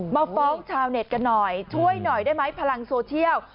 มาฟ้องชาวเน็ตกันหน่อยช่วยหน่อยได้ไหมพลังโซเชียล